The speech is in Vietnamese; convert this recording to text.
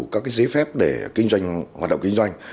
các giấy phép để hoạt động kinh doanh